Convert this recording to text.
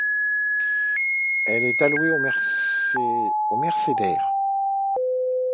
Elle est allouée aux Mercédaires.